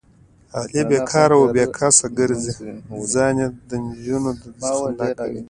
علي بیکاره او بې کسبه ګرځي، ځان یې دنجونو د خندا کړی دی.